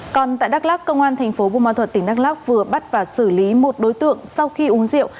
còn tại đắk lắk công an tp bun ma thuật tỉnh đắk lắk vừa bắt và xử lý một đối tượng sau khi uống rượu